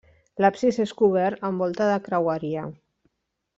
L'absis és cobert amb volta de creueria.